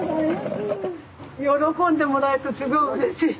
喜んでもらえるとすごいうれしい。